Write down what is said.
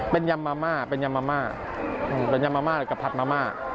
เป็นยำมาม่าเป็นยำมาม่าเป็นยามาม่ากับผัดมาม่า